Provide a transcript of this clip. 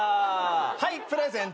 はいプレゼント。